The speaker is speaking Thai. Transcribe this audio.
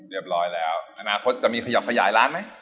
เรียบร้อยแล้วอนาคตจะมีขยับขยายร้านไหม